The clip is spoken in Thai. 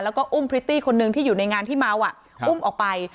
แล้วก็อุ้มพริตตี้คนนึงที่อยู่ในงานที่เมาอุ้มออกไป